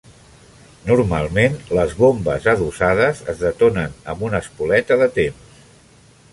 Normalment, les bombes adossades es detonen amb una espoleta de temps.